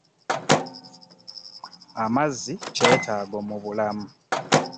Amazzi kyetaago mu bulamu.